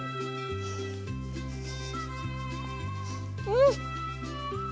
うん！